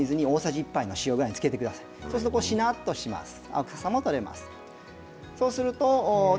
そうすると、しなっとします。